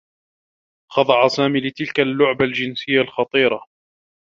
خضع سامي لتلك اللّعبة الجنسيّة الخطيرة.